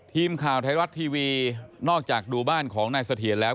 ทีมข่าวไทยรัฐทีวีนอกจากดูบ้านของนายเสถียรแล้ว